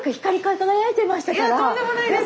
いやとんでもないです。